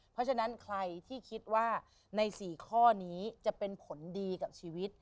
เพราะฉะนั้นใครที่คิดว่าใน๔ข้อนี้จะเป็นผลดีกับชีวิต